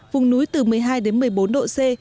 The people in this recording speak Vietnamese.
vùng núi từ một mươi hai đến một mươi bốn độ c